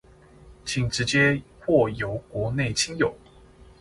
請直接或由國內親友